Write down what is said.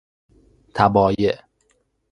تبایع